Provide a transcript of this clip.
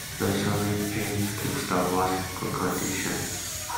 Masonry paint keeps the walls in good condition.